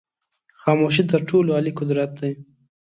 خاموشی تر ټولو عالي قدرت دی.